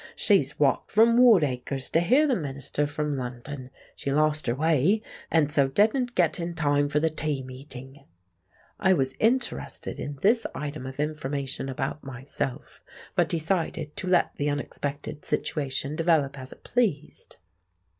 "She's walked from Woodacres to hear the minister from London. She lost her way, and so didn't get in time for the tea meeting." I was interested in this item of information about myself, but decided to let the unexpected situation develop as it pleased.